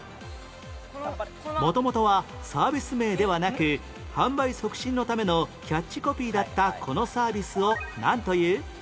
元々はサービス名ではなく販売促進のためのキャッチコピーだったこのサービスをなんという？